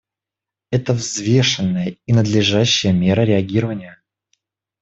Это взвешенная и надлежащая мера реагирования.